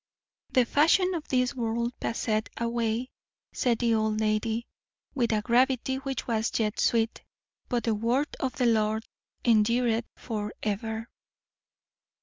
"'The fashion of this world passeth away,'" said the old lady, with a gravity which was yet sweet; "'but the word of the Lord endureth for ever.'"